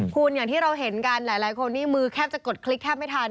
คุณอย่างที่เราเห็นกันหลายคนนี่มือแทบจะกดคลิกแทบไม่ทัน